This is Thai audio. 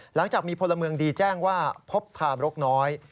หลังจากมีพลเมืองดีแจ้งว่าพบทาบรกน้อย